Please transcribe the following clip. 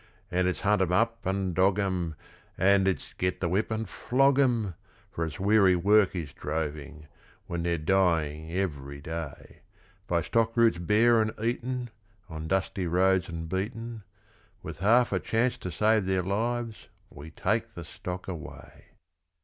And it's hunt 'em up and dog 'em, And it's get the whip and flog 'em, For it's weary work is droving when they're dying every day; By stock routes bare and eaten, On dusty roads and beaten, With half a chance to save their lives we take the stock away.